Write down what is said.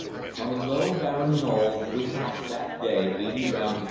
On a low, barren knoll we cached that day eighty rounds of